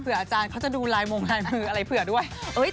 อาจารย์เขาจะดูลายมงลายมืออะไรเผื่อด้วย